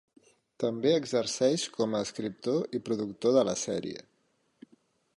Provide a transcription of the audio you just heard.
També exerceix com a escriptor i productor de la sèrie.